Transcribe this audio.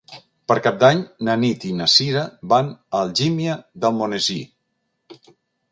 Per Cap d'Any na Nit i na Sira van a Algímia d'Almonesir.